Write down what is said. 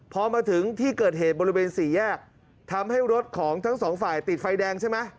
พอมาถึงที่เกิดเหตุบริเวณสี่แยกทำให้รถของทั้งสองฝ่ายติดไฟแดงใช่ไหม